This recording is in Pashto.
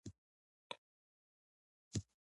هغه اشحاص چې باسېواده دي